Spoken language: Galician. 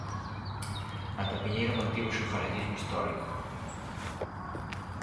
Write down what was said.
Ata Piñeiro mantívose o galeguismo histórico.